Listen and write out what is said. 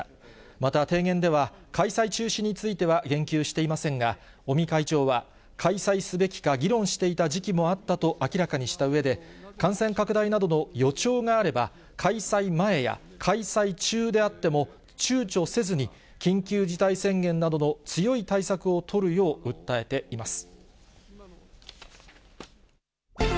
また提言では、開催中止については言及していませんが、尾身会長は、開催すべきか議論していた時期もあったと明らかにしたうえで、感染拡大などの予兆があれば、開催前や、開催中であっても、ちゅうちょせずに、緊急事態宣言などの強い対策を取るよう訴えています。